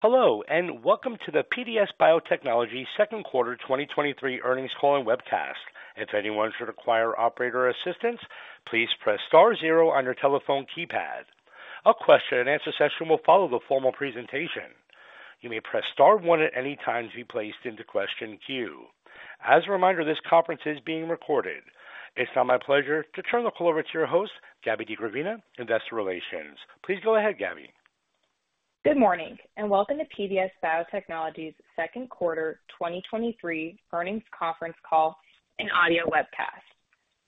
Hello, welcome to the PDS Biotechnology Second Quarter 2023 Earnings Call and Webcast. If anyone should require operator assistance, please press star zero on your telephone keypad. A question-and-answer session will follow the formal presentation. You may press star one at any time to be placed into question queue. As a reminder, this conference is being recorded. It's now my pleasure to turn the call over to your host, Gabby DeGravina, Investor Relations. Please go ahead, Gabby. Good morning, and welcome to PDS Biotechnology's Second Quarter 2023 Earnings Conference Call and Audio Webcast.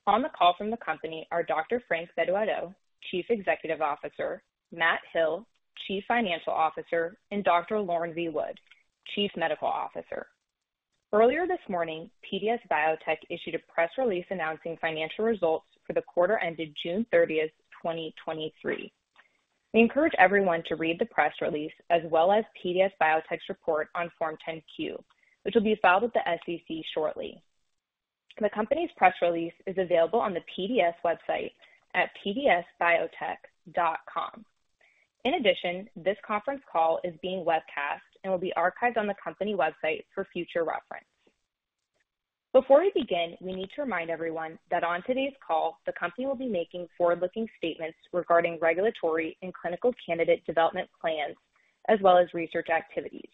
On the call from the company are Dr. Frank Bedu-Addo, Chief Executive Officer, Matt Hill, Chief Financial Officer, and Dr. Lauren V. Wood, Chief Medical Officer. Earlier this morning, PDS Biotech issued a press release announcing financial results for the quarter ended June 30th, 2023. We encourage everyone to read the press release, as well as PDS Biotech's report on Form 10-Q, which will be filed with the SEC shortly. The company's press release is available on the PDS website at pdsbiotech.com. In addition, this conference call is being webcast and will be archived on the company website for future reference. Before we begin, we need to remind everyone that on today's call, the company will be making forward-looking statements regarding regulatory and clinical candidate development plans, as well as research activities.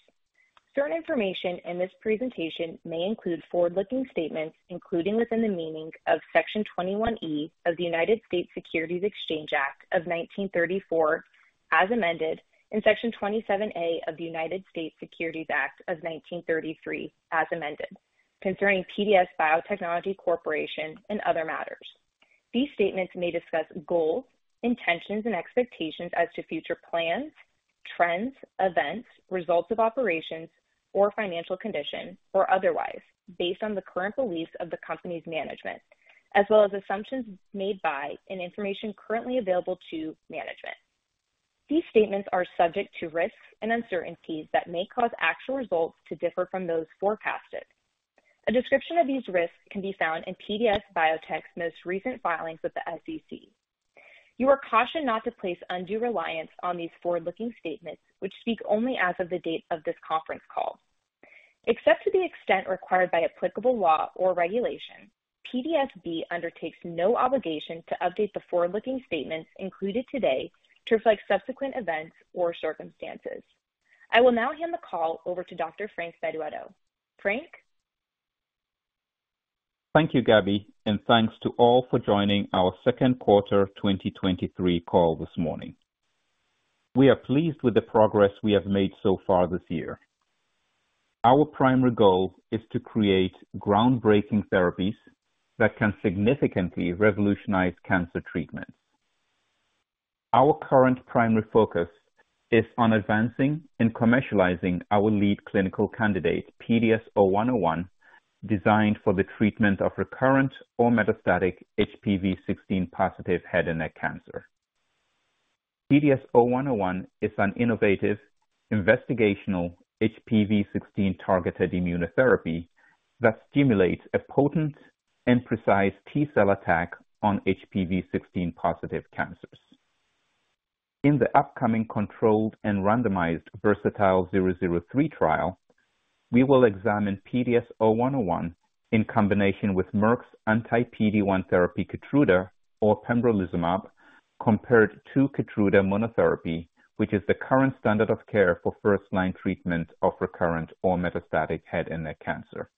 Certain information in this presentation may include forward-looking statements, including within the meaning of Section 21E of the United States Securities Exchange Act of 1934, as amended, and Section 27A of the United States Securities Act of 1933, as amended, concerning PDS Biotechnology Corporation and other matters. These statements may discuss goals, intentions, and expectations as to future plans, trends, events, results of operations, or financial condition, or otherwise, based on the current beliefs of the company's management, as well as assumptions made by and information currently available to management. These statements are subject to risks and uncertainties that may cause actual results to differ from those forecasted. A description of these risks can be found in PDS Biotech's most recent filings with the SEC. You are cautioned not to place undue reliance on these forward-looking statements, which speak only as of the date of this conference call. Except to the extent required by applicable law or regulation, PDSB undertakes no obligation to update the forward-looking statements included today to reflect subsequent events or circumstances. I will now hand the call over to Dr. Frank Bedu-Addo. Frank? Thank you, Gabby, and thanks to all for joining our Second Quarter 2023 Call this morning. We are pleased with the progress we have made so far this year. Our primary goal is to create groundbreaking therapies that can significantly revolutionize cancer treatment. Our current primary focus is on advancing and commercializing our lead clinical candidate, PDS0101, designed for the treatment of recurrent or metastatic HPV 16 positive head and neck cancer. PDS0101 is an innovative investigational HPV 16 targeted immunotherapy that stimulates a potent and precise T cell attack on HPV 16 positive cancers. In the upcoming controlled and randomized VERSATILE-003 trial, we will examine PDS0101 in combination with Merck's anti-PD-1 therapy, KEYTRUDA or pembrolizumab, compared to KEYTRUDA monotherapy, which is the current standard of care for first-line treatment of recurrent or metastatic head and neck cancer.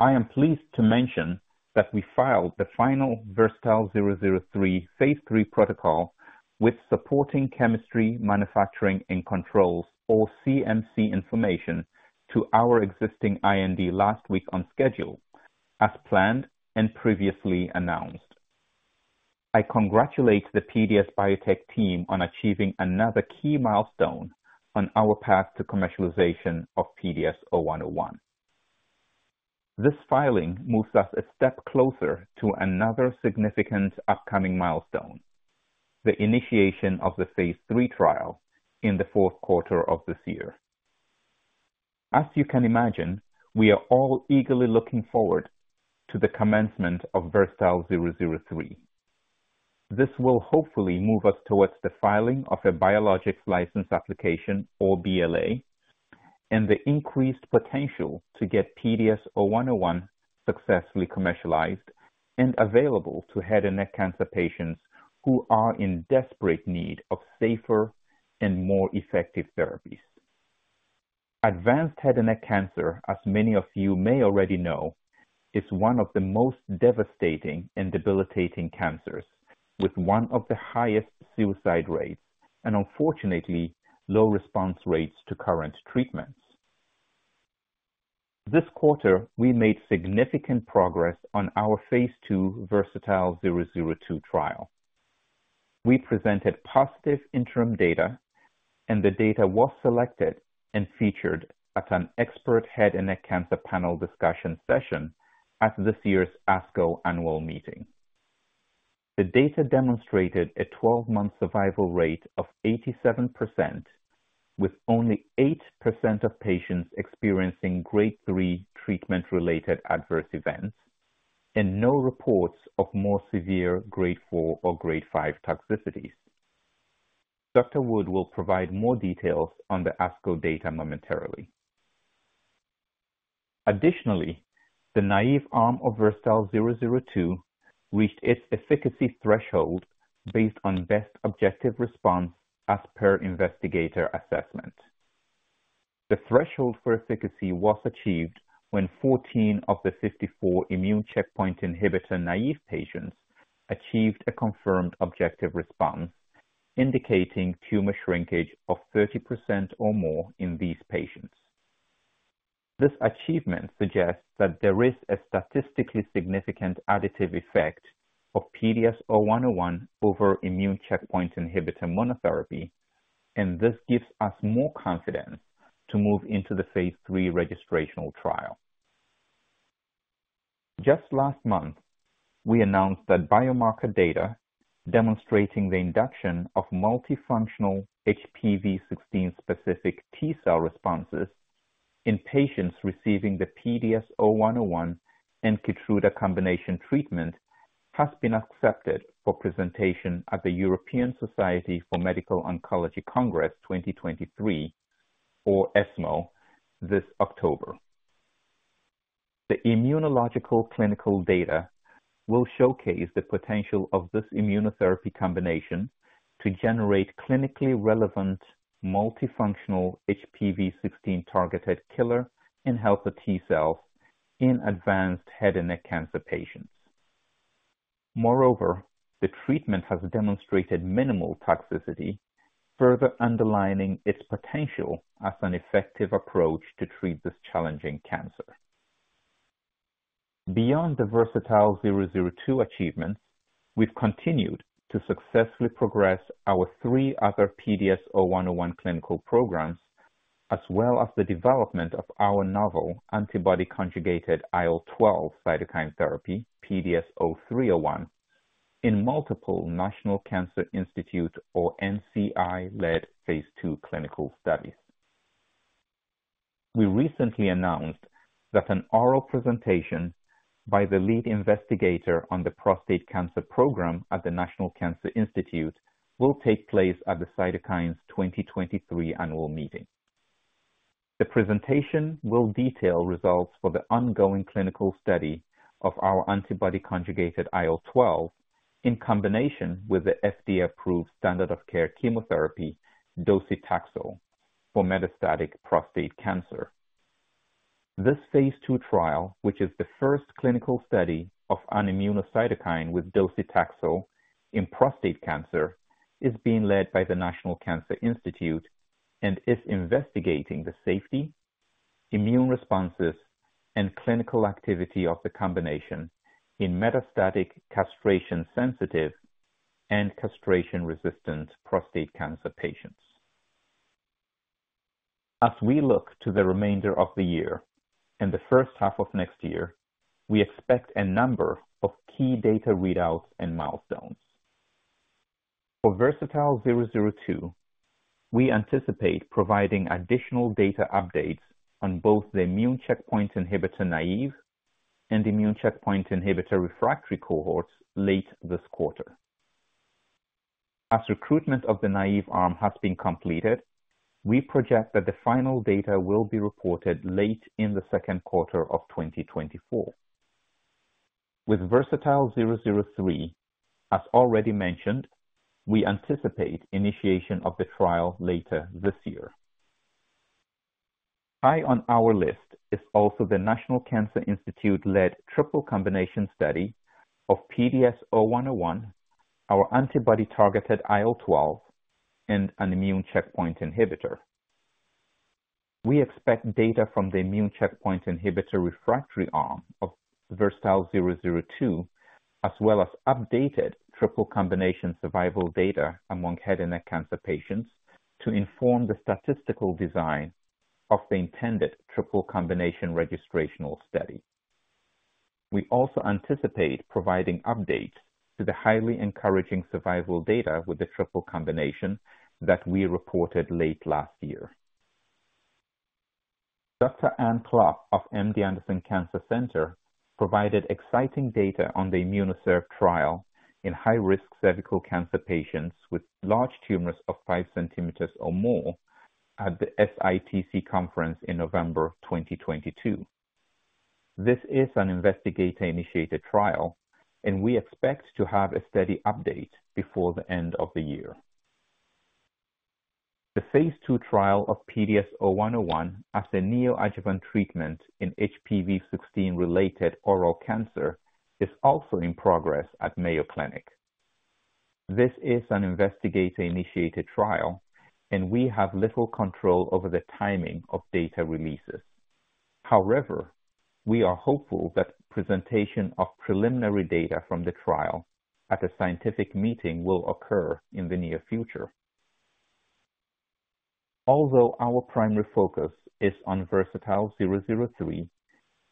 I am pleased to mention that we filed the final VERSATILE-003 phase III protocol with supporting chemistry, manufacturing, and controls, or CMC information, to our existing IND last week on schedule, as planned and previously announced. I congratulate the PDS Biotech team on achieving another key milestone on our path to commercialization of PDS0101. This filing moves us a step closer to another significant upcoming milestone, the initiation of the phase III trial in the fourth quarter of this year. As you can imagine, we are all eagerly looking forward to the commencement of VERSATILE-003. This will hopefully move us towards the filing of a Biologics License Application or BLA, and the increased potential to get PDS0101 successfully commercialized and available to head and neck cancer patients who are in desperate need of safer and more effective therapies. Advanced head and neck cancer, as many of you may already know, is one of the most devastating and debilitating cancers, with one of the highest suicide rates and, unfortunately, low response rates to current treatments. This quarter, we made significant progress on our phase II VERSATILE-002 trial. We presented positive interim data. The data was selected and featured at an expert head and neck cancer panel discussion session at this year's ASCO annual meeting. The data demonstrated a 12-month survival rate of 87%, with only 8% of patients experiencing grade three treatment-related adverse events. No reports of more severe grade four or grade five toxicities. Dr. Wood will provide more details on the ASCO data momentarily. Additionally, the naive arm of VERSATILE-002 reached its efficacy threshold based on best objective response as per investigator assessment. The threshold for efficacy was achieved when 14 of the 54 immune checkpoint inhibitor naive patients achieved a confirmed objective response, indicating tumor shrinkage of 30% or more in these patients. This achievement suggests that there is a statistically significant additive effect of PDS0101 over immune checkpoint inhibitor monotherapy, and this gives us more confidence to move into the Phase III registrational trial. Just last month, we announced that biomarker data demonstrating the induction of multifunctional HPV 16 specific T cell responses in patients receiving the PDS0101 and KEYTRUDA combination treatment, has been accepted for presentation at the European Society for Medical Oncology Congress 2023, or ESMO, this October. The immunological clinical data will showcase the potential of this immunotherapy combination to generate clinically relevant multifunctional HPV 16 targeted killer and helper T cells in advanced head and neck cancer patients. Moreover, the treatment has demonstrated minimal toxicity, further underlining its potential as an effective approach to treat this challenging cancer. Beyond the VERSATILE-002 achievements, we've continued to successfully progress our three other PDS0101 clinical programs, as well as the development of our novel antibody conjugated IL-12 cytokine therapy, PDS0301, in multiple National Cancer Institute or NCI-led phase II clinical studies. We recently announced that an oral presentation by the lead investigator on the prostate cancer program at the National Cancer Institute will take place at the Cytokines 2023 Annual Meeting. The presentation will detail results for the ongoing clinical study of our antibody conjugated IL-12 in combination with the FDA-approved standard of care chemotherapy, docetaxel, for metastatic prostate cancer. This phase II trial, which is the first clinical study of an immunocytokine with docetaxel in prostate cancer, is being led by the National Cancer Institute and is investigating the safety, immune responses, and clinical activity of the combination in metastatic castration-sensitive and castration-resistant prostate cancer patients. As we look to the remainder of the year and the first half of next year, we expect a number of key data readouts and milestones. For VERSATILE-002, we anticipate providing additional data updates on both the immune checkpoint inhibitor-naive and immune checkpoint inhibitor refractory cohorts late this quarter. As recruitment of the naive arm has been completed, we project that the final data will be reported late in the second quarter of 2024. With VERSATILE-003, as already mentioned, we anticipate initiation of the trial later this year. High on our list is also the National Cancer Institute-led triple combination study of PDS0101, our antibody-targeted IL-12, and an immune checkpoint inhibitor. We expect data from the immune checkpoint inhibitor refractory arm of VERSATILE-002, as well as updated triple combination survival data among head and neck cancer patients, to inform the statistical design of the intended triple combination registrational study. We also anticipate providing updates to the highly encouraging survival data with the triple combination that we reported late last year. Dr. Ann Klopp of MD Anderson Cancer Center provided exciting data on the IMMUNOSERV trial in high-risk cervical cancer patients with large tumors of 5 cm or more at the SITC conference in November 2022. This is an investigator-initiated trial, and we expect to have a study update before the end of the year. The phase II trial of PDS0101 as a neoadjuvant treatment in HPV 16-related oral cancer, is also in progress at Mayo Clinic. This is an investigator-initiated trial. We have little control over the timing of data releases. However, we are hopeful that presentation of preliminary data from the trial at a scientific meeting will occur in the near future. Although our primary focus is on VERSATILE-003,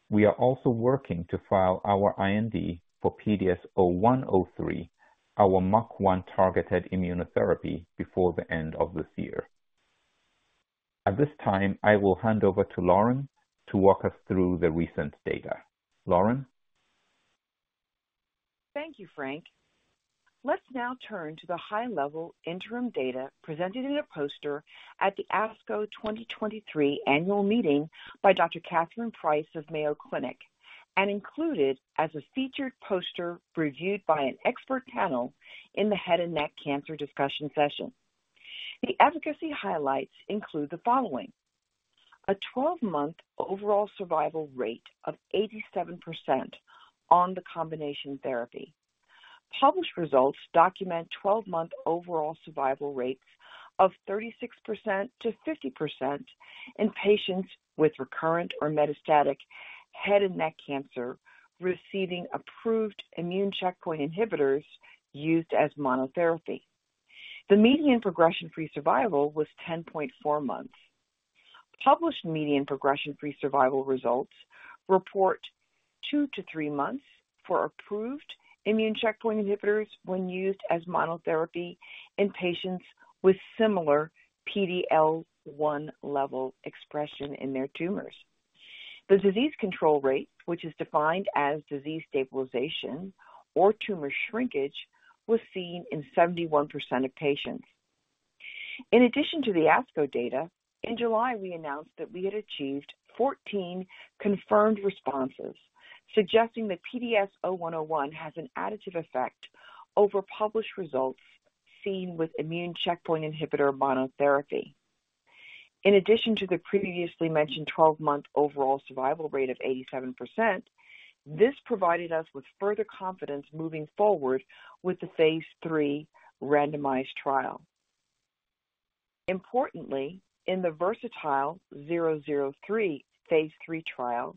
we are also working to file our IND for PDS0103, our MUC1 targeted immunotherapy, before the end of this year. At this time, I will hand over to Lauren to walk us through the recent data. Lauren? Thank you, Frank. Let's now turn to the high-level interim data presented in a poster at the ASCO 2023 annual meeting by Dr. Katharine Price of Mayo Clinic, and included as a featured poster reviewed by an expert panel in the Head and Neck Cancer Discussion session. The efficacy highlights include the following: a 12-month overall survival rate of 87% on the combination therapy. Published results document 12-month overall survival rates of 36%-50% in patients with recurrent or metastatic head and neck cancer, receiving approved immune checkpoint inhibitors used as monotherapy. The median progression-free survival was 10.4 months. Published median progression-free survival results report two-three months for approved immune checkpoint inhibitors when used as monotherapy in patients with similar PD-L1 level expression in their tumors. The disease control rate, which is defined as disease stabilization or tumor shrinkage, was seen in 71% of patients. In addition to the ASCO data, in July, we announced that we had achieved 14 confirmed responses, suggesting that PDS0101 has an additive effect over published results seen with immune checkpoint inhibitor monotherapy. In addition to the previously mentioned 12-month overall survival rate of 87%, this provided us with further confidence moving forward with the phase III randomized trial. Importantly, in the VERSATILE-003 phase III trial,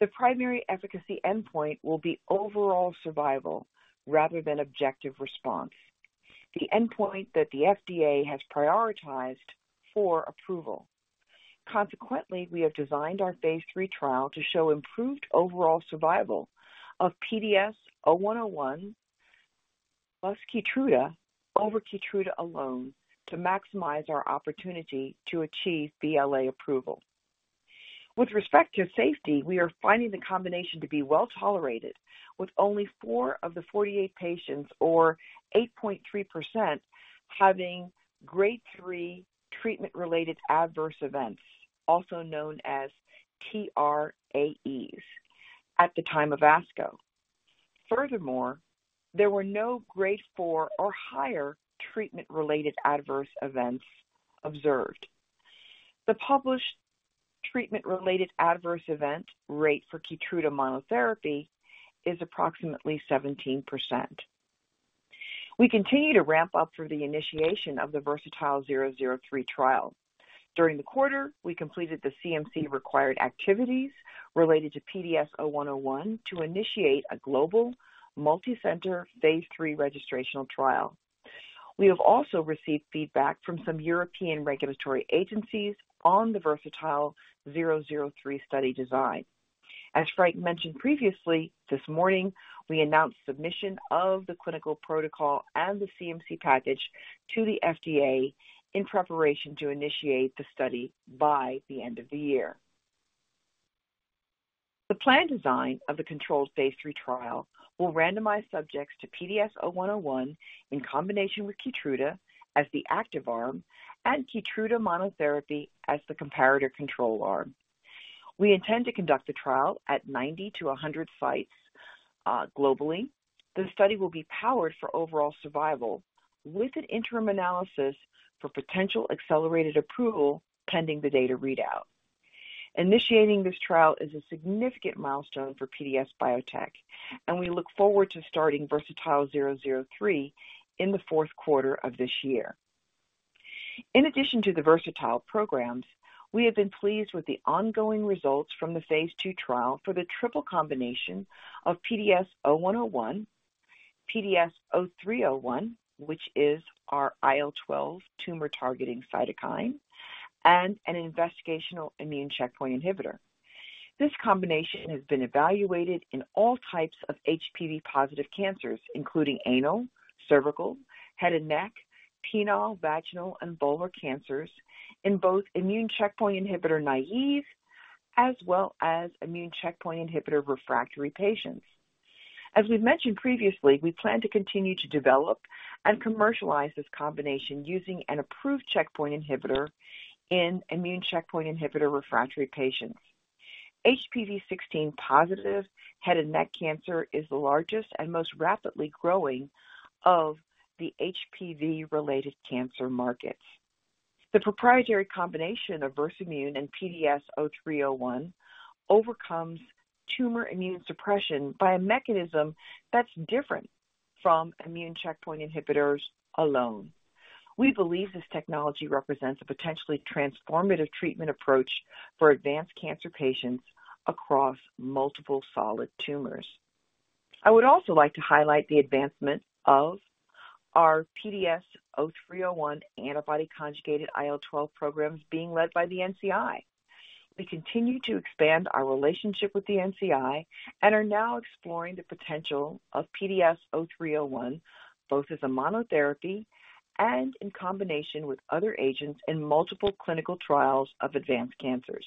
the primary efficacy endpoint will be overall survival rather than objective response, the endpoint that the FDA has prioritized for approval. Consequently, we have designed our phase III trial to show improved overall survival of PDS0101 plus KEYTRUDA over KEYTRUDA alone, to maximize our opportunity to achieve BLA approval. With respect to safety, we are finding the combination to be well-tolerated, with only four of the 48 patients, or 8.3%, having grade three treatment-related adverse events, also known as TRAEs, at the time of ASCO. There were no grade four or higher treatment-related adverse events observed. The published treatment-related adverse event rate for KEYTRUDA monotherapy is approximately 17%. We continue to ramp up for the initiation of the VERSATILE-003 trial. During the quarter, we completed the CMC required activities related to PDS0101 to initiate a global, multicenter, phase III registrational trial. We have also received feedback from some European regulatory agencies on the VERSATILE-003 study design. As Frank mentioned previously, this morning, we announced submission of the clinical protocol and the CMC package to the FDA in preparation to initiate the study by the end of the year. The planned design of the controlled phase III trial will randomize subjects to PDS0101 in combination with KEYTRUDA as the active arm and KEYTRUDA monotherapy as the comparator control arm. We intend to conduct the trial at 90 to 100 sites globally. The study will be powered for overall survival, with an interim analysis for potential accelerated approval, pending the data readout. Initiating this trial is a significant milestone for PDS Biotech, and we look forward to starting VERSATILE-003 in the fourth quarter of this year. In addition to the VERSATILE programs, we have been pleased with the ongoing results from the phase II trial for the triple combination of PDS0101, PDS0301, which is our IL-12 tumor-targeting cytokine, and an investigational immune checkpoint inhibitor. This combination has been evaluated in all types of HPV-positive cancers, including anal, cervical, head and neck, penile, vaginal, and vulvar cancers in both immune checkpoint inhibitor-naïve as well as immune checkpoint inhibitor-refractory patients. As we've mentioned previously, we plan to continue to develop and commercialize this combination using an approved checkpoint inhibitor in immune checkpoint inhibitor-refractory patients. HPV 16 positive head and neck cancer is the largest and most rapidly growing of the HPV-related cancer markets. The proprietary combination of Versamune and PDS-0301 overcomes tumor immune suppression by a mechanism that's different from immune checkpoint inhibitors alone. We believe this technology represents a potentially transformative treatment approach for advanced cancer patients across multiple solid tumors. I would also like to highlight the advancement of our PDS-0301 antibody conjugated IL-12 programs being led by the NCI. We continue to expand our relationship with the NCI and are now exploring the potential of PDS0301, both as a monotherapy and in combination with other agents in multiple clinical trials of advanced cancers.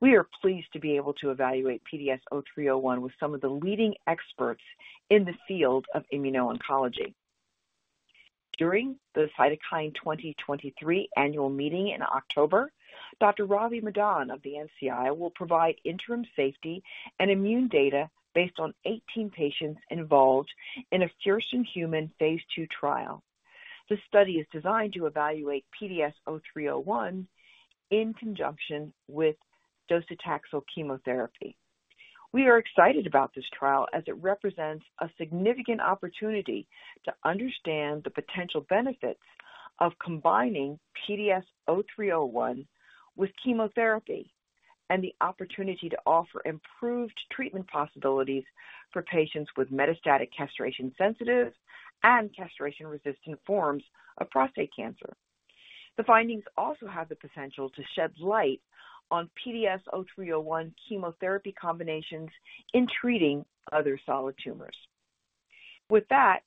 We are pleased to be able to evaluate PDS0301 with some of the leading experts in the field of immuno-oncology. During the Cytokine 2023 annual meeting in October, Dr. Ravi Madan of the NCI will provide interim safety and immune data based on 18 patients involved in a first-in-human phase 2 trial. This study is designed to evaluate PDS-0301 in conjunction with docetaxel chemotherapy. We are excited about this trial as it represents a significant opportunity to understand the potential benefits of combining PDS-0301 with chemotherapy, and the opportunity to offer improved treatment possibilities for patients with metastatic castration-sensitive and castration-resistant forms of prostate cancer. The findings also have the potential to shed light on PDS0301 chemotherapy combinations in treating other solid tumors. With that,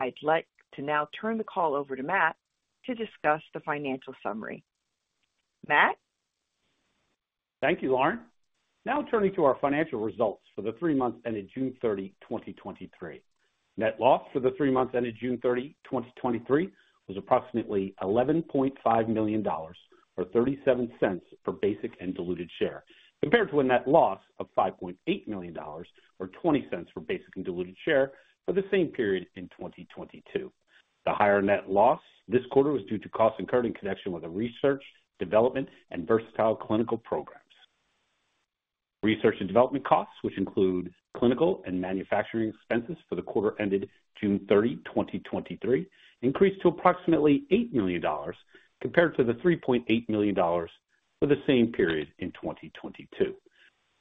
I'd like to now turn the call over to Matt to discuss the financial summary. Matt? Thank you, Lauren. Now turning to our financial results for the three months ended June 30, 2023. Net loss for the three months ended June 30, 2023, was approximately $11.5 million, or $0.37 per basic and diluted share, compared to a net loss of $5.8 million, or $0.20 per basic and diluted share for the same period in 2022. The higher net loss this quarter was due to costs incurred in connection with the research, development and VERSATILE clinical programs. Research and development costs, which include clinical and manufacturing expenses for the quarter ended June 30, 2023, increased to approximately $8 million, compared to the $3.8 million for the same period in 2022.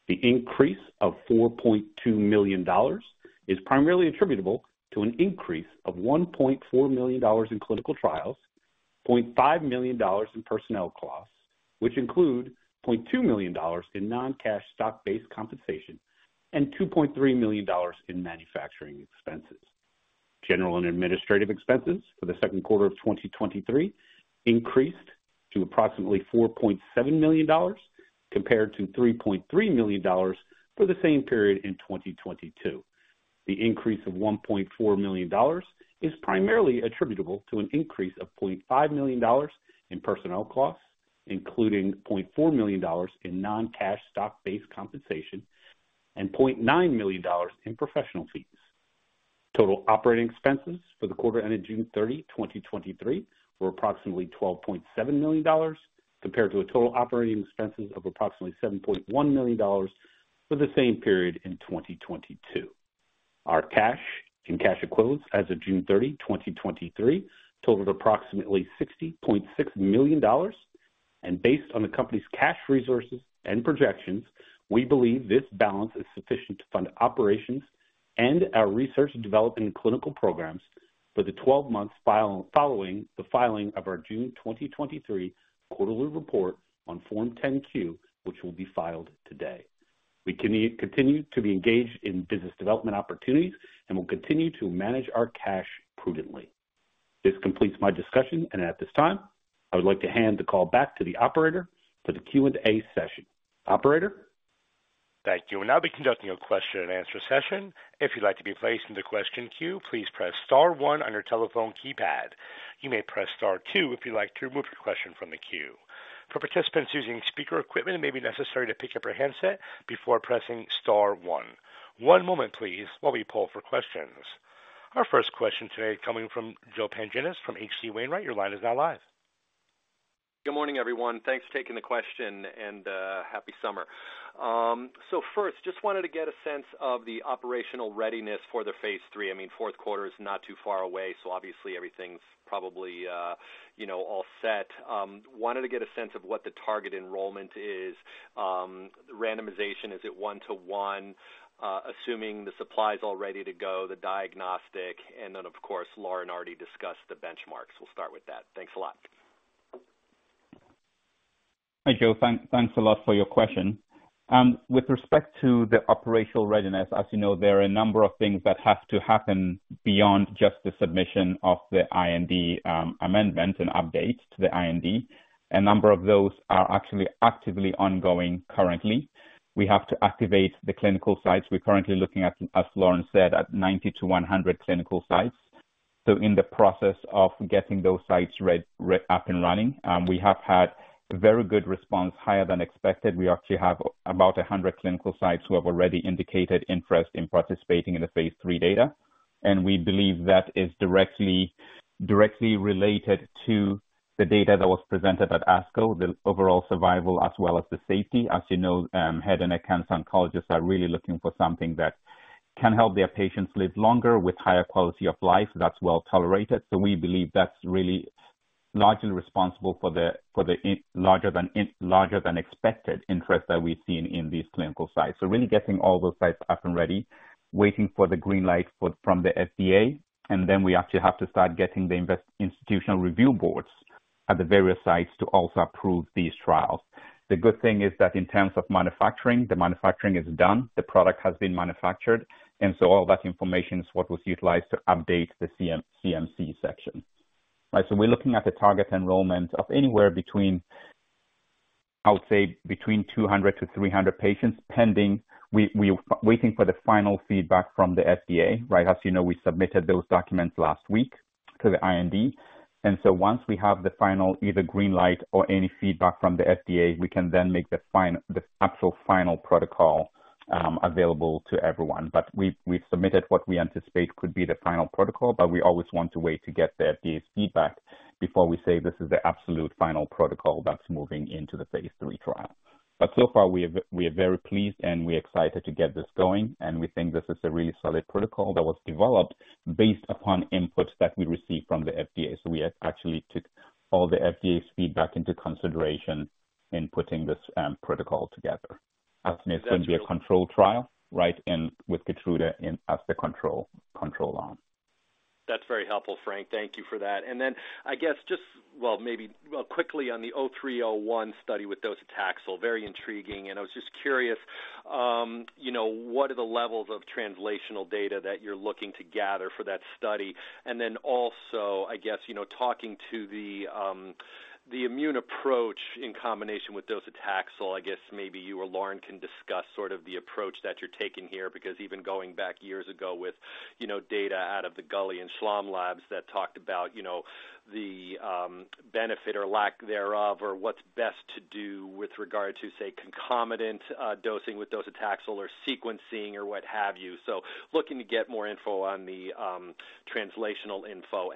The increase of $4.2 million is primarily attributable to an increase of $1.4 million in clinical trials, $0.5 million in personnel costs, which include $0.2 million in non-cash stock-based compensation, and $2.3 million in manufacturing expenses. General and administrative expenses for the second quarter of 2023 increased to approximately $4.7 million, compared to $3.3 million for the same period in 2022. The increase of $1.4 million is primarily attributable to an increase of $0.5 million in personnel costs, including $0.4 million in non-cash stock-based compensation and $0.9 million in professional fees. Total operating expenses for the quarter ended June 30, 2023, were approximately $12.7 million, compared to a total operating expenses of approximately $7.1 million for the same period in 2022. Our cash and cash equivalents as of June 30, 2023, totaled approximately $60.6 million, and based on the company's cash resources and projections, we believe this balance is sufficient to fund operations and our research and development clinical programs for the 12 months following the filing of our June 2023 quarterly report on Form 10-Q, which will be filed today. We continue to be engaged in business development opportunities and will continue to manage our cash prudently. This completes my discussion, and at this time, I would like to hand the call back to the operator for the Q&A session. Operator? Thank you. We'll now be conducting a question and answer session. If you'd like to be placed in the question queue, please press star one on your telephone keypad. You may press star two if you'd like to remove your question from the queue. For participants using speaker equipment, it may be necessary to pick up your handset before pressing star one. One moment, please, while we pull for questions. Our first question today coming from Joe Pantginis from H.C. Wainwright. Your line is now live. Good morning, everyone. Thanks for taking the question, and happy summer. First, just wanted to get a sense of the operational readiness for the phase III. I mean, fourth quarter is not too far away, so obviously everything's probably, you know, all set. Wanted to get a sense of what the target enrollment is. Randomization, is it one to one? Assuming the supply is all ready to go, the diagnostic, and then, of course, Lauren already discussed the benchmarks. We'll start with that. Thanks a lot. Hi, Joe. Thank, thanks a lot for your question. With respect to the operational readiness, as you know, there are a number of things that have to happen beyond just the submission of the IND, amendment and updates to the IND. A number of those are actually actively ongoing currently. We have to activate the clinical sites. We're currently looking at, as Lauren said, at 90 to 100 clinical sites. In the process of getting those sites up and running, we have had very good response, higher than expected. We actually have about 100 clinical sites who have already indicated interest in participating in the phase III data, and we believe that is directly, directly related to the data that was presented at ASCO, the overall survival as well as the safety. As you know, head and neck cancer oncologists are really looking for something that can help their patients live longer with higher quality of life that's well tolerated. We believe that's really largely responsible for the larger than expected interest that we've seen in these clinical sites. Really getting all those sites up and ready, waiting for the green light from the FDA, and then we actually have to start getting the institutional review boards at the various sites to also approve these trials. The good thing is that in terms of manufacturing, the manufacturing is done, the product has been manufactured, all that information is what was utilized to update the CMC section. We're looking at the target enrollment of anywhere between, I would say, between 200 to 300 patients, pending. We're waiting for the final feedback from the FDA, right? As you know, we submitted those documents last week to the IND, once we have the final, either green light or any feedback from the FDA, we can then make the fine, the actual final protocol available to everyone. We've, we've submitted what we anticipate could be the final protocol, but we always want to wait to get the FDA's feedback before we say, this is the absolute final protocol that's moving into the phase III trial. So far, we have. We are very pleased, and we're excited to get this going, and we think this is a really solid protocol that was developed based upon inputs that we received from the FDA. We actually took all the FDA's feedback into consideration in putting this protocol together. As it's going to be a controlled trial, right? With KEYTRUDA in, as the control, control arm. That's very helpful, Frank. Thank you for that. Then I guess just, well, maybe well, quickly on the PDS0301 study with docetaxel, very intriguing, and I was just curious, you know, what are the levels of translational data that you're looking to gather for that study? Then also, I guess, you know, talking to the, the immune approach in combination with docetaxel, I guess maybe you or Lauren can discuss sort of the approach that you're taking here. Because even going back years ago with, you know, data out of the Gulley and Schlom labs that talked about, you know, the, benefit or lack thereof, or what's best to do with regard to, say, concomitant, dosing with docetaxel or sequencing or what have you. Looking to get more info on the, translational info.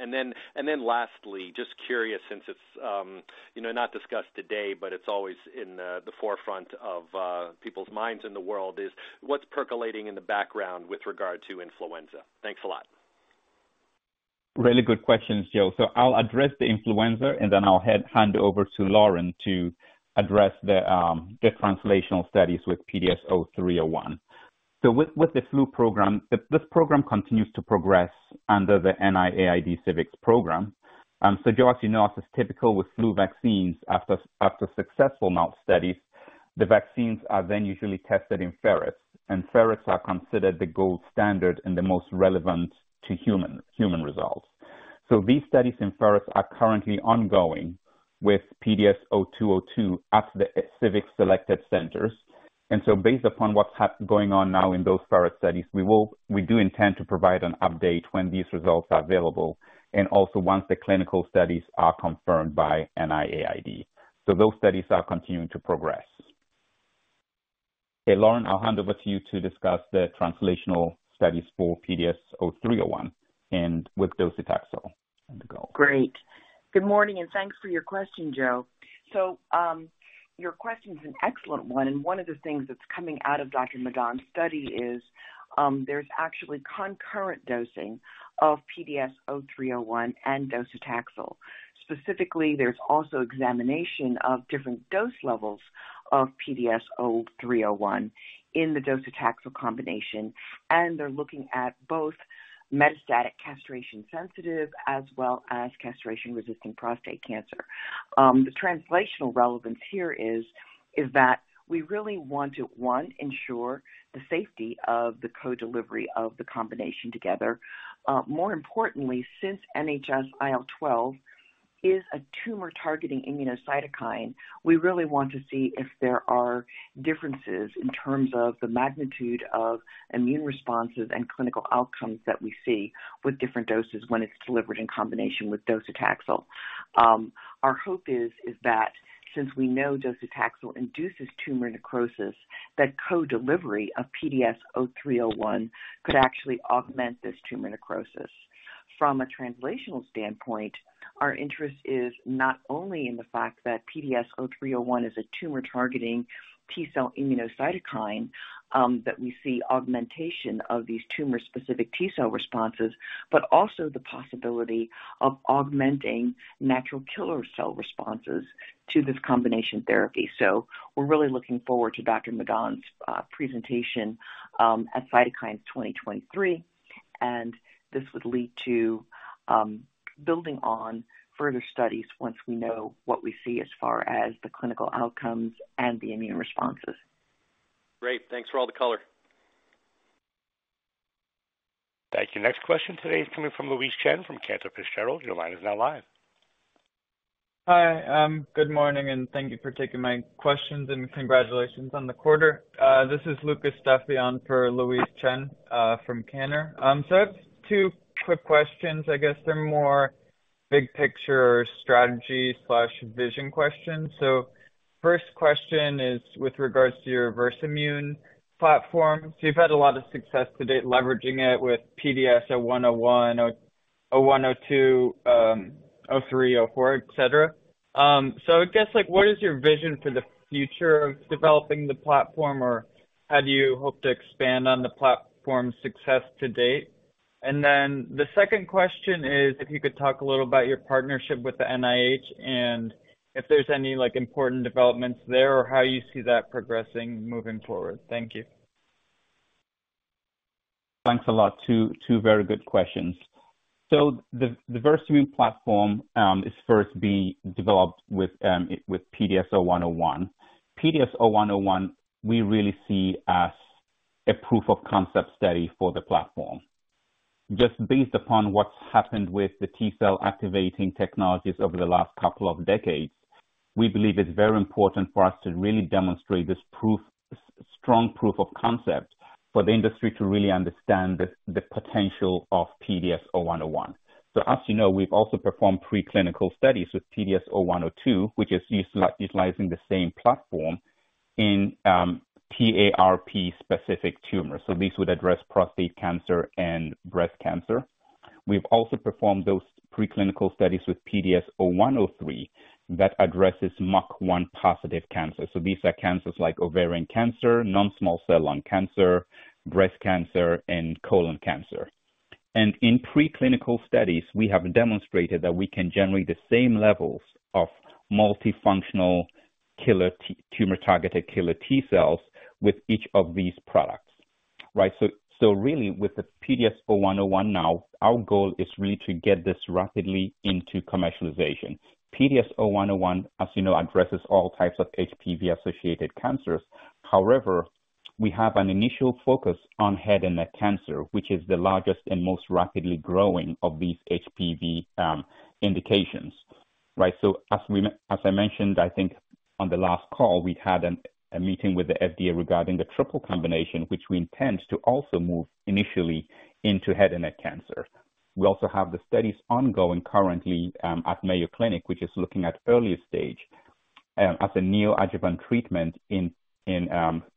Lastly, just curious, since it's, you know, not discussed today, but it's always in the forefront of people's minds in the world, is what's percolating in the background with regard to influenza? Thanks a lot. Really good questions, Joe Pantginis. I'll address the influenza, and then I'll hand, hand over to Lauren to address the translational studies with PDS0301. With, with the flu program, the, this program continues to progress under the NIAID CIVICs program. Joe, as you know, as is typical with flu vaccines, after, after successful mouse studies, the vaccines are then usually tested in ferrets, and ferrets are considered the gold standard and the most relevant to human, human results. These studies in ferrets are currently ongoing with PDS0202 at the CIVICs selected centers. Based upon what's going on now in those ferret studies, we will, we do intend to provide an update when these results are available and also once the clinical studies are confirmed by NIAID. Those studies are continuing to progress. Okay, Lauren, I'll hand over to you to discuss the translational studies for PDS0301 and with docetaxel as you go. Great. Good morning, thanks for your question, Joe. Your question is an excellent one, and one of the things that's coming out of Dr. McGann's study is, there's actually concurrent dosing of PDS0301 and docetaxel. Specifically, there's also examination of different dose levels of PDS0301 in the docetaxel combination, and they're looking at both metastatic castration-sensitive as well as castration-resistant prostate cancer. The translational relevance here is, is that we really want to, one, ensure the safety of the co-delivery of the combination together. More importantly, since NHS-IL-12 is a tumor-targeting immunocytokine, we really want to see if there are differences in terms of the magnitude of immune responses and clinical outcomes that we see with different doses when it's delivered in combination with docetaxel. Our hope is, is that since we know docetaxel induces tumor necrosis, that co-delivery of PDS0301 could actually augment this tumor necrosis. From a translational standpoint, our interest is not only in the fact that PDS0301 is a tumor-targeting T cell immunocytokine, that we see augmentation of these tumor-specific T cell responses, but also the possibility of augmenting natural killer cell responses to this combination therapy. We're really looking forward to Dr. Madan's presentation at Cytokines 2023, this would lead to building on further studies once we know what we see as far as the clinical outcomes and the immune responses. Great. Thanks for all the color. Thank you. Next question today is coming from Louise Chen, from Cantor Fitzgerald. Your line is now live. Hi, good morning, thank you for taking my questions, and congratulations on the quarter. This is Lucas Duffy on for Louise Chen, from Cantor. I have two quick questions. I guess they're more big picture strategy/vision questions. First question is with regards to your Versamune platform. You've had a lot of success to date leveraging it with PDS0101, PDS0102, PDS0301, et cetera. I guess, like, what is your vision for the future of developing the platform, or how do you hope to expand on the platform's success to date? Then the second question is, if you could talk a little about your partnership with the NIH and if there's any, like, important developments there or how you see that progressing moving forward? Thank you. Thanks a lot. Two very good questions. The, the Versamune platform is first being developed with PDS0101. PDS0101, we really see as a proof of concept study for the platform. Just based upon what's happened with the T-cell activating technologies over the last couple of decades, we believe it's very important for us to really demonstrate this proof, strong proof of concept for the industry to really understand the, the potential of PDS0101. As you know, we've also performed preclinical studies with PDS-0102, which is used, utilizing the same platform in TARP specific tumors. These would address prostate cancer and breast cancer. We've also performed those preclinical studies with PDS-0103 that addresses MUC1-positive cancer. These are cancers like ovarian cancer, non-small cell lung cancer, breast cancer, and colon cancer. In preclinical studies, we have demonstrated that we can generate the same levels of multifunctional tumor-targeted killer T cells with each of these products, right? Really with the PDS0101 now, our goal is really to get this rapidly into commercialization. PDS0101, as you know, addresses all types of HPV-associated cancers. However, we have an initial focus on head and neck cancer, which is the largest and most rapidly growing of these HPV indications, right? As I mentioned, I think on the last call, we had a meeting with the FDA regarding the triple combination, which we intend to also move initially into head and neck cancer. We also have the studies ongoing currently at Mayo Clinic, which is looking at early stage as a neoadjuvant treatment in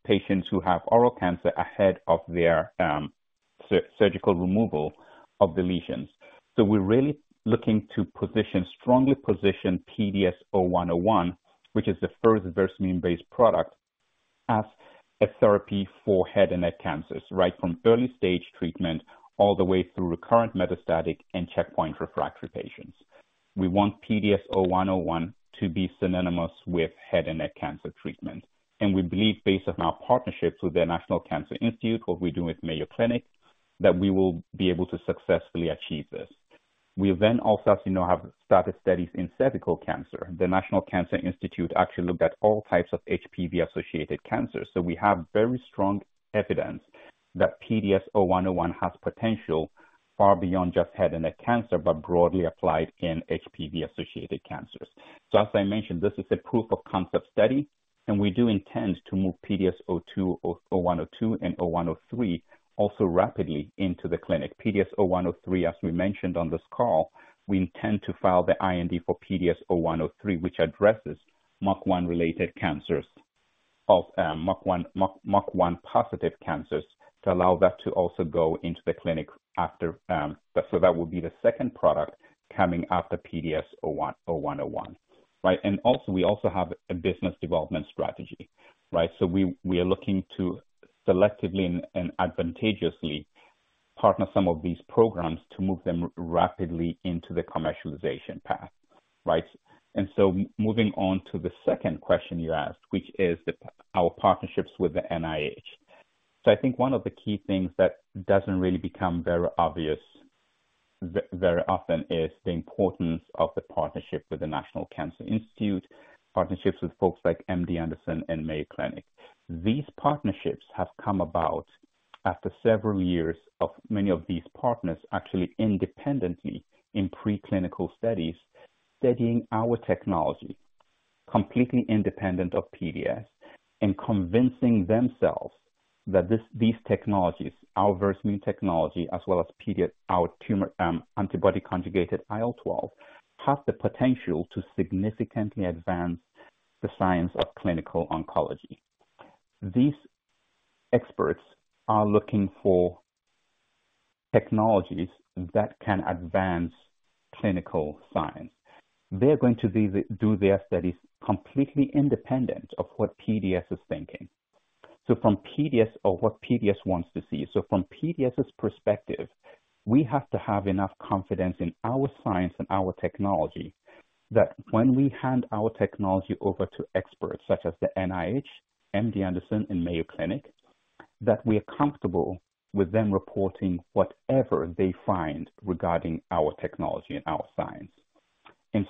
patients who have oral cancer ahead of their surgical removal of the lesions. We're really looking to position, strongly position PDS0101, which is the first Versamune-based product, as a therapy for head and neck cancers, right? From early stage treatment all the way through recurrent metastatic and checkpoint refractory patients. We want PDS0101 to be synonymous with head and neck cancer treatment, and we believe based on our partnerships with the National Cancer Institute, what we're doing with Mayo Clinic, that we will be able to successfully achieve this. We also, as you know, have started studies in cervical cancer. The National Cancer Institute actually looked at all types of HPV-associated cancers. We have very strong evidence that PDS0101 has potential far beyond just head and neck cancer, but broadly applied in HPV-associated cancers. As I mentioned, this is a proof of concept study, and we do intend to move PDS-02 or 0102 and 0103 also rapidly into the clinic. PDS-0103, as we mentioned on this call, we intend to file the IND for PDS-0103, which addresses MUC1-related cancers of, MUC1, MUC1-positive cancers, to allow that to also go into the clinic after. That will be the second product coming after PDS-01, 0101, right? We also have a business development strategy, right? Moving on to the second question you asked, which is the, our partnerships with the NIH. I think one of the key things that doesn't really become very obvious very often is the importance of the partnership with the National Cancer Institute, partnerships with folks like MD Anderson and Mayo Clinic. These partnerships have come about after several years of many of these partners actually independently in preclinical studies, studying our technology, completely independent of PDS, and convincing themselves that this, these technologies, our Versamune technology as well as our tumor, antibody conjugated IL-12, have the potential to significantly advance the science of clinical oncology. These experts are looking for technologies that can advance clinical science. They're going to do their studies completely independent of what PDS is thinking. From PDS or what PDS wants to see. From PDS's perspective, we have to have enough confidence in our science and our technology, that when we hand our technology over to experts such as the NIH, MD Anderson, and Mayo Clinic, that we are comfortable with them reporting whatever they find regarding our technology and our science.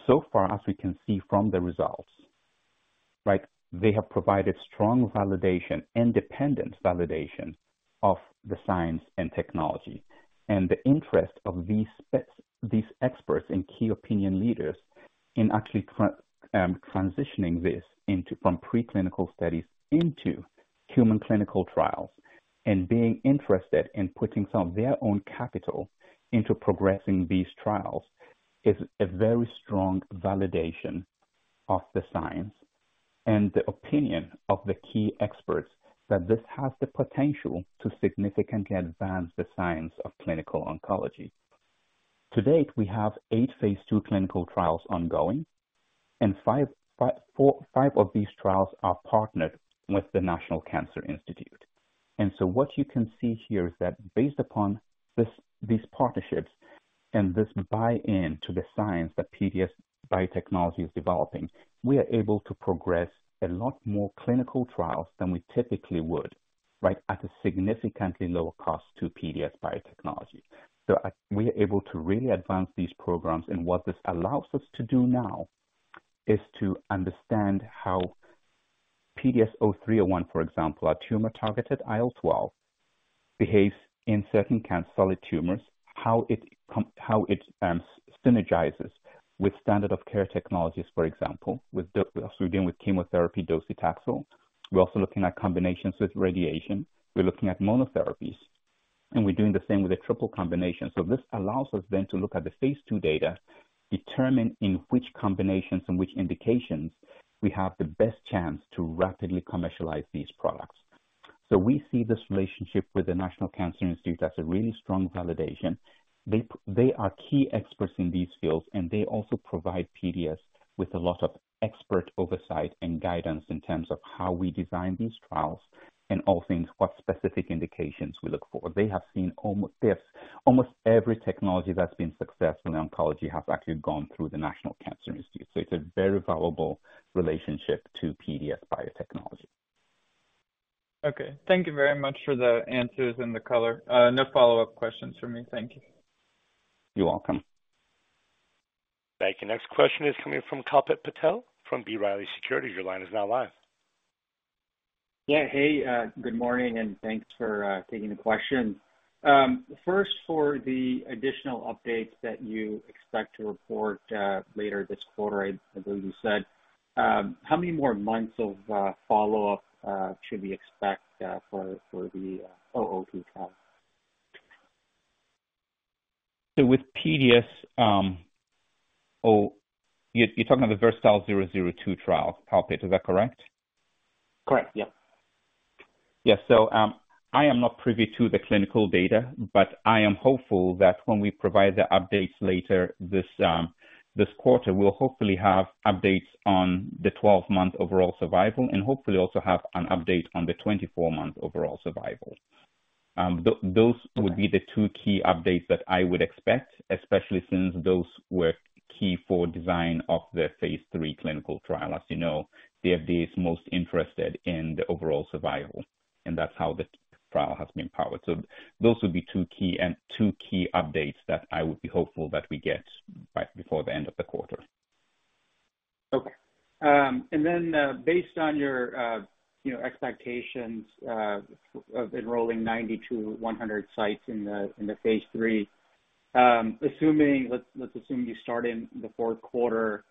So far, as we can see from the results, right, they have provided strong validation, independent validation of the science and technology. The interest of these experts and key opinion leaders in actually transitioning this into, from preclinical studies into human clinical trials, and being interested in putting some of their own capital into progressing these trials, is a very strong validation of the science and the opinion of the key experts that this has the potential to significantly advance the science of clinical oncology. To date, we have eight phase II clinical trials ongoing, and four, five of these trials are partnered with the National Cancer Institute. So what you can see here is that based upon these partnerships and this buy-in to the science that PDS Biotechnology is developing, we are able to progress a lot more clinical trials than we typically would, right, at a significantly lower cost to PDS Biotechnology. We are able to really advance these programs, and what this allows us to do now is to understand how PDS0301, for example, a tumor-targeted IL-12, behaves in certain cancer solid tumors, how it synergizes with standard of care technologies, for example, with so we're dealing with chemotherapy docetaxel. We're also looking at combinations with radiation. We're looking at monotherapies, and we're doing the same with a triple combination. This allows us then to look at the phase II data, determine in which combinations and which indications we have the best chance to rapidly commercialize these products. We see this relationship with the National Cancer Institute as a really strong validation. They are key experts in these fields, and they also provide PDS with a lot of expert oversight and guidance in terms of how we design these trials and all things, what specific indications we look for. They have almost every technology that's been successful in oncology, has actually gone through the National Cancer Institute. It's a very valuable relationship to PDS Biotechnology. Okay. Thank you very much for the answers and the color. No follow-up questions for me. Thank you. You're welcome. Thank you. Next question is coming from Kalpit Patel from B. Riley Securities. Your line is now live. Yeah. Hey, good morning, and thanks for taking the question. First, for the additional updates that you expect to report later this quarter, I believe you said, how many more months of follow-up should we expect for the OO2 trial? With PDS, oh, you're, you're talking about the VERSATILE-002 trial, Kalpit, is that correct? Correct. Yep. I am not privy to the clinical data, but I am hopeful that when we provide the updates later this, this quarter, we'll hopefully have updates on the 12-month overall survival and hopefully also have an update on the 24-month overall survival. Those would be the two key updates that I would expect, especially since those were key for design of the phase III clinical trial. As you know, the FDA is most interested in the overall survival, and that's how the trial has been powered. Those would be two key, two key updates that I would be hopeful that we get right before the end of the quarter. Okay. Based on your, you know, expectations, of enrolling 90-100 sites in the, in the phase III, you start in the fourth quarter,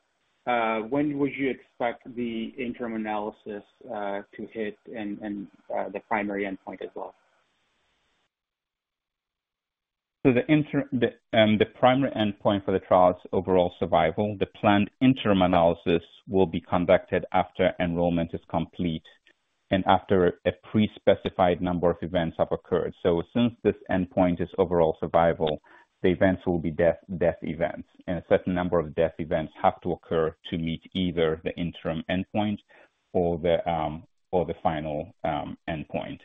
when would you expect the interim analysis, to hit and, and, the primary endpoint as well? The interim, the primary endpoint for the trial is overall survival. The planned interim analysis will be conducted after enrollment is complete and after a pre-specified number of events have occurred. Since this endpoint is overall survival, the events will be death, death events, and a certain number of death events have to occur to meet either the interim endpoint or the final endpoint.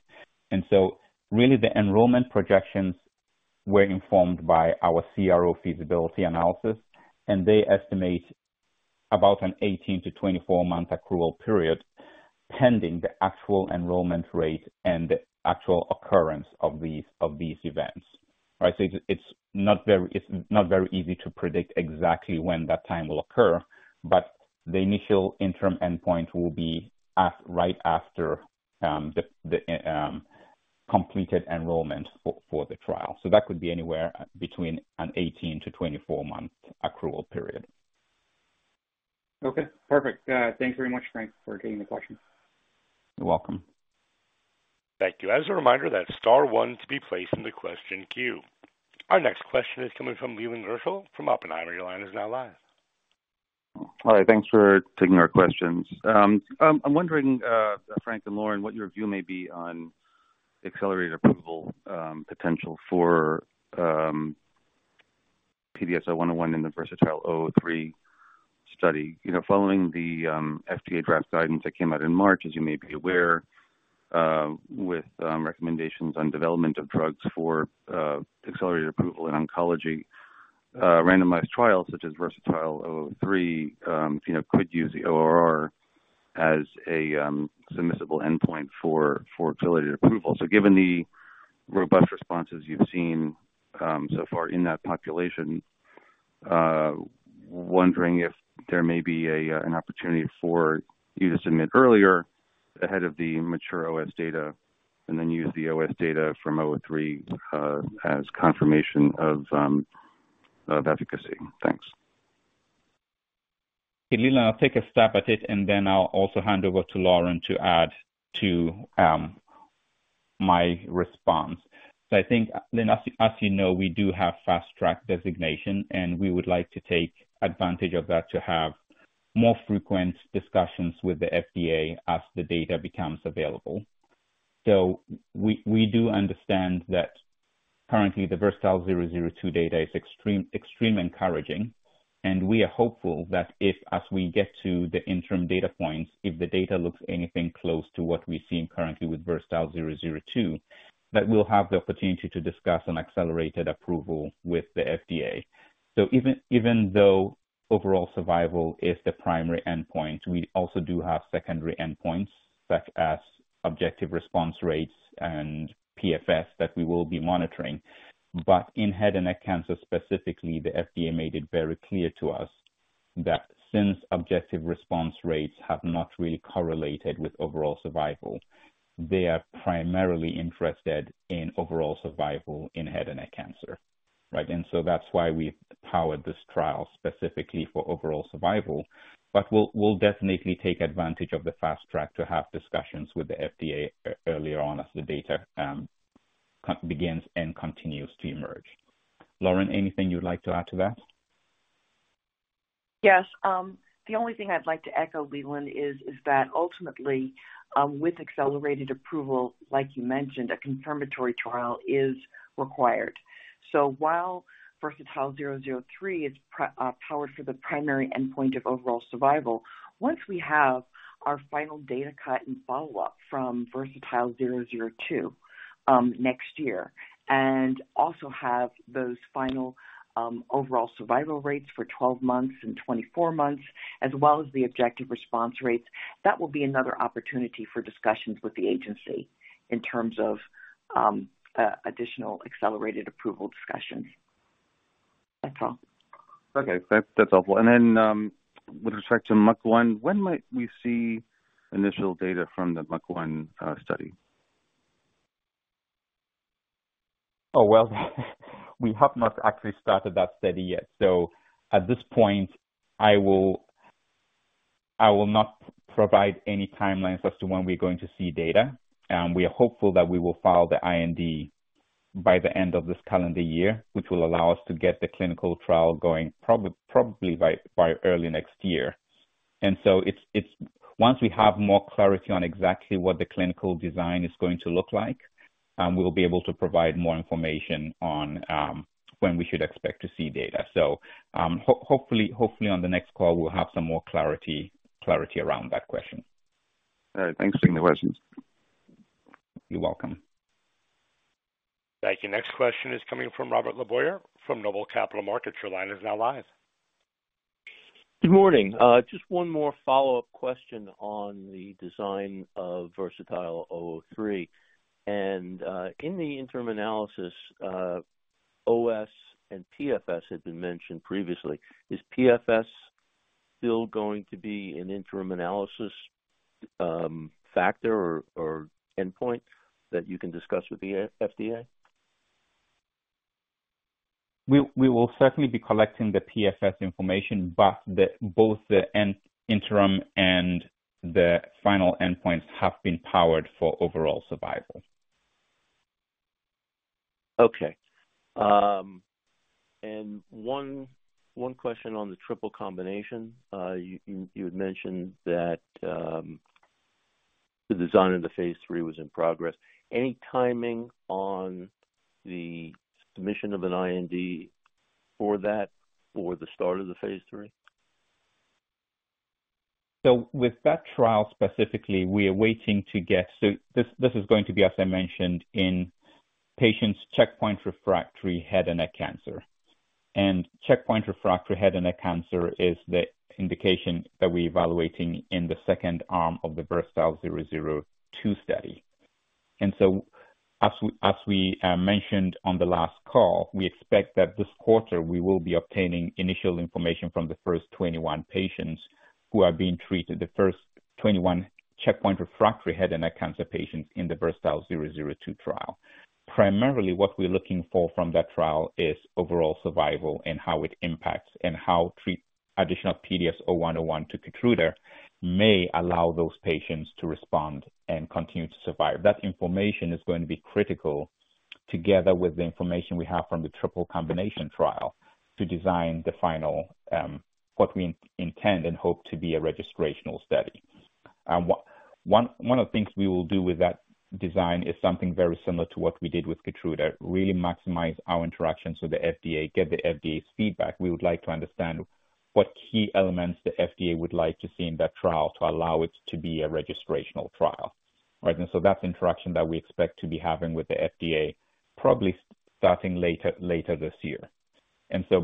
Really, the enrollment projections were informed by our CRO feasibility analysis, and they estimate about an 18-24-month accrual period, pending the actual enrollment rate and the actual occurrence of these, of these events. All right. It's not very, it's not very easy to predict exactly when that time will occur, but the initial interim endpoint will be at right after the completed enrollment for the trial. That could be anywhere between an 18-24-month accrual period. Okay, perfect. Thank you very much, Frank, for taking the question. You're welcome. Thank you. As a reminder, that's star one to be placed in the question queue. Our next question is coming from Leland Gershell from Oppenheimer. Your line is now live. Hi, thanks for taking our questions. I'm wondering, Frank and Lauren, what your view may be on accelerated approval potential for PDS0101 in the VERSATILE-003 study. You know, following the FDA draft guidance that came out in March, as you may be aware, with recommendations on development of drugs for accelerated approval in oncology, randomized trials such as VERSATILE-003, you know, could use the ORR as a submissible endpoint for accelerated approval. So given the robust responses you've seen so far in that population, wondering if there may be an opportunity for you to submit earlier ahead of the mature OS data, and then use the OS data from 003 as confirmation of efficacy. Thanks. Hey, Leland, I'll take a stab at it, and then I'll also hand over to Lauren to add to my response. I think, then as you, you know, we do have fast track designation, and we would like to take advantage of that to have more frequent discussions with the FDA as the data becomes available. We, we do understand that currently the VERSATILE-002 data is extreme, extreme encouraging. We are hopeful that if, as we get to the interim data points, if the data looks anything close to what we're seeing currently with VERSATILE-002, that we'll have the opportunity to discuss an accelerated approval with the FDA. Even, even though overall survival is the primary endpoint, we also do have secondary endpoints, such as objective response rates and PFS, that we will be monitoring. In head and neck cancer specifically, the FDA made it very clear to us that since objective response rates have not really correlated with overall survival, they are primarily interested in overall survival in head and neck cancer, right? That's why we've powered this trial specifically for overall survival. We'll, we'll definitely take advantage of the fast track to have discussions with the FDA earlier on as the data begins and continues to emerge. Lauren, anything you'd like to add to that? The only thing I'd like to echo, Leland, is, is that ultimately, with accelerated approval, like you mentioned, a confirmatory trial is required. While VERSATILE-003 is pri- powered for the primary endpoint of overall survival, once we have our final data cut and follow-up from VERSATILE-002, next year, and also have those final, overall survival rates for 12 months and 24 months, as well as the objective response rates, that will be another opportunity for discussions with the agency in terms of, additional accelerated approval discussions. That's all. Okay, that's, that's helpful. Then, with respect to MUC1, when might we see initial data from the MUC1 study? Oh, well, we have not actually started that study yet. At this point, I will not provide any timelines as to when we're going to see data. We are hopeful that we will file the IND by the end of this calendar year, which will allow us to get the clinical trial going probably by early next year. Once we have more clarity on exactly what the clinical design is going to look like, we'll be able to provide more information on when we should expect to see data. Hopefully, on the next call, we'll have some more clarity around that question. All right. Thanks for taking the questions. You're welcome. Thank you. Next question is coming from Robert LeBoyer from Noble Capital Markets. Your line is now live. Good morning. Just one more follow-up question on the design of VERSATILE-003. In the interim analysis, OS and PFS have been mentioned previously. Is PFS still going to be an interim analysis, factor or endpoint that you can discuss with the FDA? We, we will certainly be collecting the PFS information, but both the interim and the final endpoints have been powered for overall survival. One, one question on the triple combination. you, you mentioned that, the design of the phase III was in progress. Any timing on the submission of an IND for that, for the start of the phase III? With that trial specifically, we are waiting to get this, this is going to be, as I mentioned, in patients checkpoint refractory head and neck cancer. Checkpoint refractory head and neck cancer is the indication that we're evaluating in the second arm of the VERSATILE-002 study. As we, as we, mentioned on the last call, we expect that this quarter we will be obtaining initial information from the first 21 patients who are being treated, the first 21 checkpoint refractory head and neck cancer patients in the VERSATILE-002 trial. Primarily, what we're looking for from that trial is overall survival and how it impacts and how additional PDS0101 to KEYTRUDA may allow those patients to respond and continue to survive. That information is going to be critical, together with the information we have from the triple combination trial, to design the final, what we intend and hope to be a registrational study. One, one of the things we will do with that design is something very similar to what we did with KEYTRUDA, really maximize our interaction with the FDA, get the FDA's feedback. We would like to understand what key elements the FDA would like to see in that trial to allow it to be a registrational trial. Right, that's interaction that we expect to be having with the FDA, probably starting later, later this year.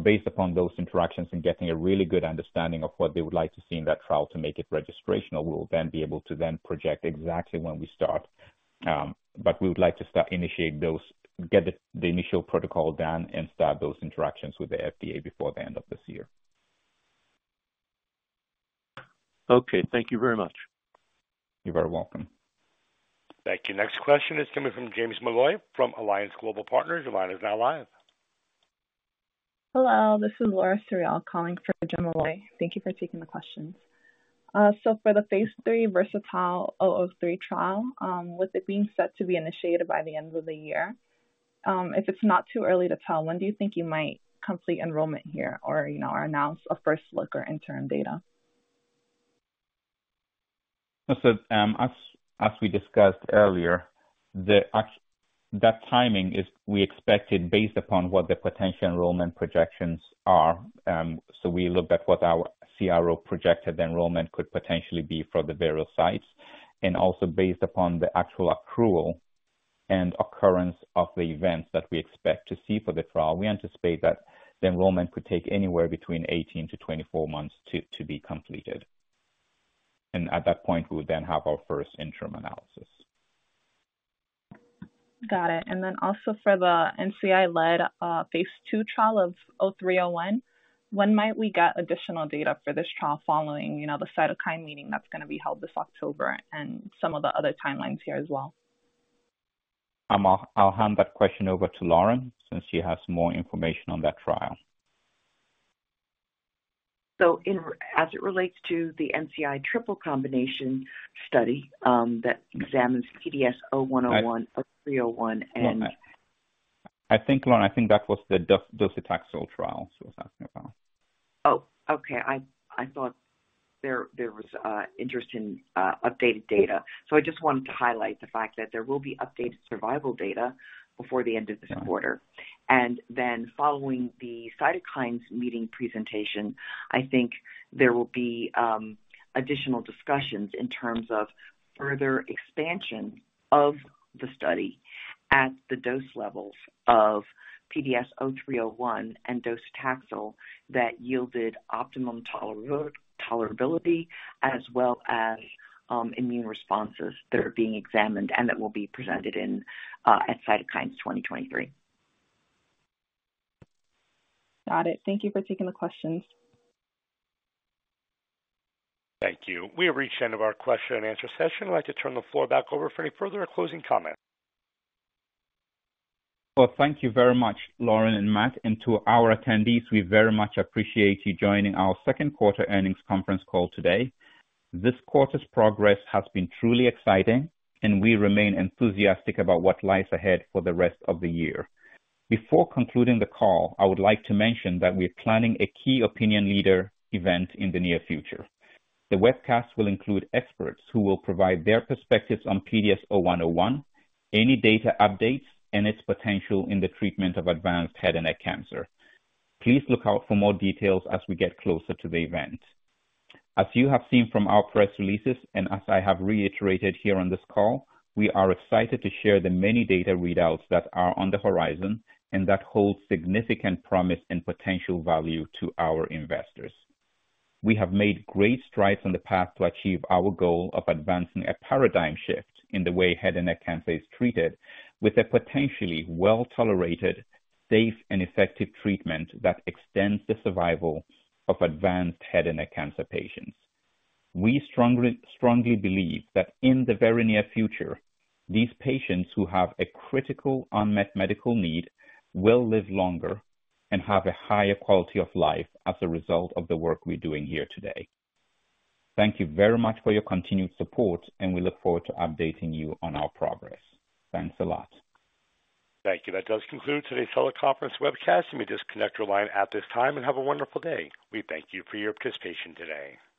Based upon those interactions and getting a really good understanding of what they would like to see in that trial to make it registrational, we will then be able to then project exactly when we start. We would like to start initiate those, get the, the initial protocol done and start those interactions with the FDA before the end of this year. Okay. Thank you very much. You're very welcome. Thank you. Next question is coming from James Malloy, from Alliance Global Partners. Your line is now live. Hello, this is Laura Suriel calling for Jim Malloy. Thank you for taking the questions. For the phase III VERSATILE-003 trial, with it being set to be initiated by the end of the year, if it's not too early to tell, when do you think you might complete enrollment here or, you know, or announce a first look or interim data? As, as we discussed earlier, that timing is we expected based upon what the potential enrollment projections are. We looked at what our CRO projected enrollment could potentially be for the various sites, and also based upon the actual accrual and occurrence of the events that we expect to see for the trial. We anticipate that the enrollment could take anywhere between 18 to 24 months to be completed. At that point, we would then have our first interim analysis. Got it. Then also for the NCI-led, phase II trial of O301, when might we get additional data for this trial following, you know, the cytokine meeting that's going to be held this October and some of the other timelines here as well? I'll hand that question over to Lauren, since she has more information on that trial. In, as it relates to the NCI triple combination study, that examines PDSPDS0101, O301, and… I think, Lauren, I think that was the docetaxel trial she was asking about. Oh, okay. I, I thought there, there was interest in updated data. I just wanted to highlight the fact that there will be updated survival data before the end of this quarter. Then following the cytokines meeting presentation, I think there will be additional discussions in terms of further expansion of the study at the dose levels of PDS0301 and docetaxel that yielded optimum toler- tolerability as well as immune responses that are being examined and that will be presented at Cytokines 2023. Got it. Thank you for taking the questions. Thank you. We have reached the end of our question and answer session. I'd like to turn the floor back over for any further closing comments. Well, thank you very much, Lauren and Matt, and to our attendees, we very much appreciate you joining our second quarter earnings conference call today. This quarter's progress has been truly exciting, and we remain enthusiastic about what lies ahead for the rest of the year. Before concluding the call, I would like to mention that we're planning a key opinion leader event in the near future. The webcast will include experts who will provide their perspectives on PDS0101, any data updates, and its potential in the treatment of advanced head and neck cancer. Please look out for more details as we get closer to the event. As you have seen from our press releases, and as I have reiterated here on this call, we are excited to share the many data readouts that are on the horizon and that hold significant promise and potential value to our investors. We have made great strides on the path to achieve our goal of advancing a paradigm shift in the way head and neck cancer is treated with a potentially well-tolerated, safe, and effective treatment that extends the survival of advanced head and neck cancer patients. We strongly, strongly believe that in the very near future, these patients who have a critical unmet medical need will live longer and have a higher quality of life as a result of the work we're doing here today. Thank you very much for your continued support, and we look forward to updating you on our progress. Thanks a lot. Thank you. That does conclude today's teleconference webcast. You may disconnect your line at this time and have a wonderful day. We thank you for your participation today.